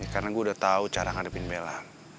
karena gue udah tau cara ngarepin bella